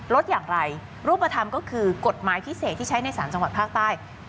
ลดอย่างไรรูปธรรมก็คือกฎหมายพิเศษที่ใช้ใน๓จังหวัดภาคใต้